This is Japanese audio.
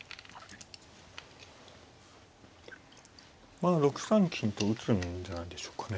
まあ６三金と打つんじゃないでしょうかね。